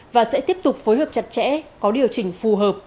và sẽ tiếp tục phối hợp chặt chẽ có điều chỉnh phù hợp